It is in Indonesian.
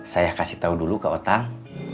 saya kasih tahu dulu kak otang